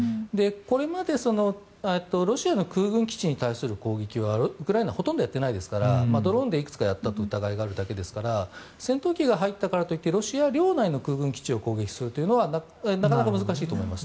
これまでロシアの空軍基地に対する攻撃はウクライナはほとんどやっていないですからドローンでいくつかやった疑いがあるぐらいですから戦闘機が入ったからといってロシア領内の空軍基地を攻撃するというのはなかなか難しいと思います。